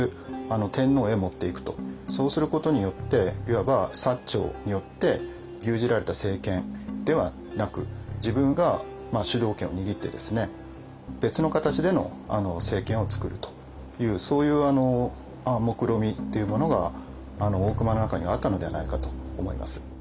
そうすることによっていわば長によって牛耳られた政権ではなく自分が主導権を握って別の形での政権をつくるというそういうもくろみっていうものが大隈の中にはあったのではないかと思います。